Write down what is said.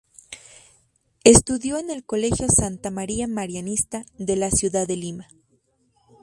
Estudió en el colegio Santa María Marianistas de la ciudad de Lima.